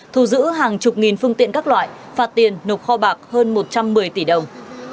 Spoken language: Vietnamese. thu giữ hàng chục nghìn phương tiện các loại phạt tiền nộp kho bạc hơn một trăm một mươi tỷ đồng